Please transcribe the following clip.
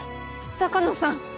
鷹野さん